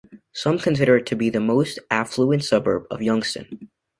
Some consider it to be the most affluent suburb of Youngstown.